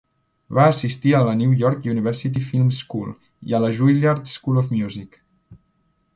Va assistir a la New York University Film School i a la Juilliard School of Music.